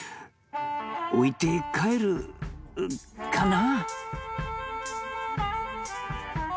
「置いて帰るかな」